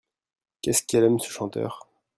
Qu'est-ce qu'elle aime ce chanteur !